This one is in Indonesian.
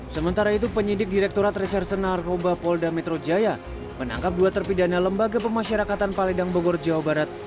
sementara itu penyidik direkturat reserse narkoba polda metro jaya menangkap dua terpidana lembaga pemasyarakatan paledang bogor jawa barat